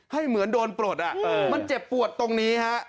ให้เหมือนโดนโปรดอ่ะมันเจ็บปวดตรงนี้ฮะ